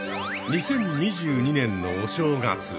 ２０２２年のお正月。